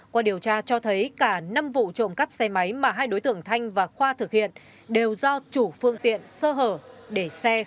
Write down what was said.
qua điều tra cho thấy cả năm vụ trộm cắp xe máy mà hai đối tượng thanh và khoa thực hiện đều do chủ phương tiện sơ hở để xe